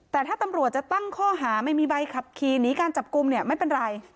แต่ถ้าตำรวจจะตั้งข้อหาไม่มีใบขับขี่หนีการจับกลุ่มเนี่ยไม่เป็นไร